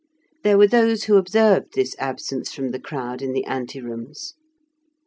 There were those who observed this absence from the crowd in the ante rooms.